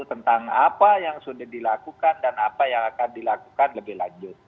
tentang apa yang sudah dilakukan dan apa yang akan dilakukan lebih lanjut